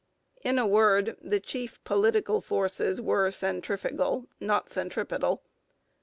In a word, the chief political forces were centrifugal, not centripetal.